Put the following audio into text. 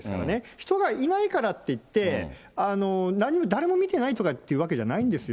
人がいないからっていって、何も、誰も見てないとかっていうわけじゃないんですよ。